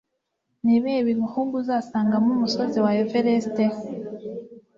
Nibihe bihugu Uzasangamo umusozi wa Everest